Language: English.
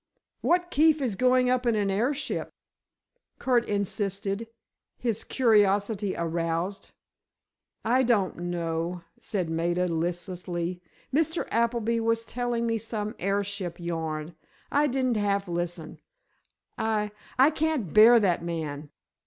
"What Keefe is going up in an airship?" Curt insisted, his curiosity aroused. "I don't know," said Maida, listlessly. "Mr. Appleby was telling me some airship yarn. I didn't half listen. I—I can't bear that man!"